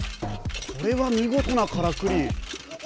これはみごとなからくり！